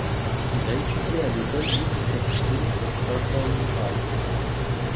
Il a étudié à l'école Unitec School of Performing Arts.